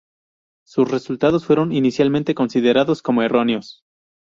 Sus resultados fueron inicialmente considerados como erróneos.